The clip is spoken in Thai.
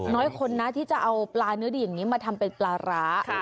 น้อยคนนะที่จะเอาปลาเนื้อดีอย่างนี้มาทำเป็นปลาร้า